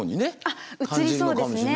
あっ映りそうですね。